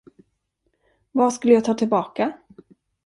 Vad skulle jag ta tillbaka?